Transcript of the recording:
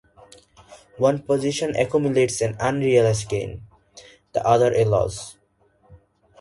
One position accumulates an unrealized gain, the other a loss.